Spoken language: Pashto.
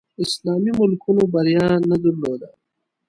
اسلامي ملکونو بریا نه درلوده